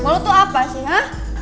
lo tuh apa sih ha